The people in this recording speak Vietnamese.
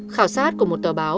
khảo sát của một tờ báo